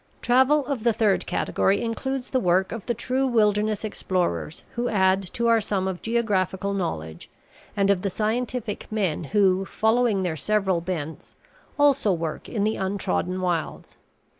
Travel of the third category includes the work of the true wilderness explorers who add to our sum of geographical knowledge and of the scientific men who, following their several bents, also work in the untrodden wilds.